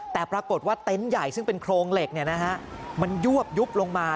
แต่ปรากฏว่าเต็นต์ใหญ่ซึ่งเป็นโครงเหล็กมันยวบยุบลงมา